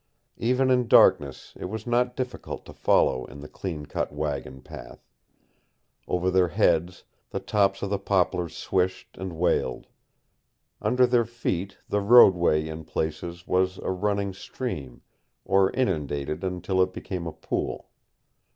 Even in darkness it was not difficult to follow in the clean cut wagon path. Over their heads the tops of the poplars swished and wailed. Under their feet the roadway in places was a running stream or inundated until it became a pool.